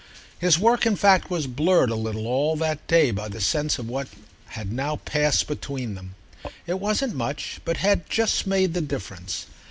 His work in fact was blurred a little all that day by the sense of what had now passed between them. It wasn't much, but it had just made the difference.